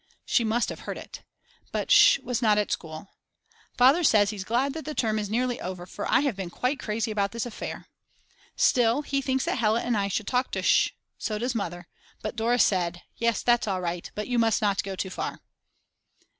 She must have heard it. But Sch. was not at school. Father says he's glad that the term is nearly over, for I have been quite crazy about this affair. Still, he thinks that Hella and I should talk to Sch. So does Mother. But Dora said: Yes that's all right but you must not go too far.